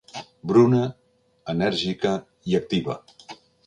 Bruna, enèrgica i activa.